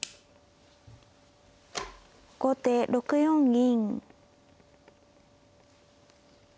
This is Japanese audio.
後手６四銀。